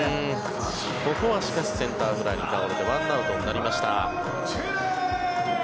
ここはしかしセンターフライに倒れて１アウトになりました。